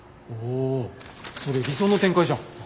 おお。それ理想の展開じゃん。